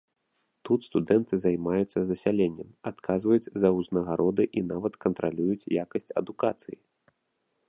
Тут студэнты займаюцца засяленнем, адказваюць за ўзнагароды і нават кантралююць якасць адукацыі.